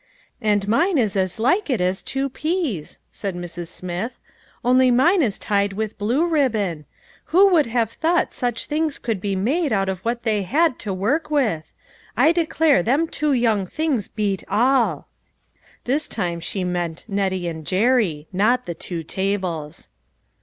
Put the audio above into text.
"And mine is as like it as two peas," said Mrs. Smith, "only mine is tied with blue ribbon. Who would have thought such things could be made out of what they had to work with ! I declare them two young things beat all !" This time she meant Nettie and Jerry, not the two tables.